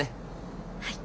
はい。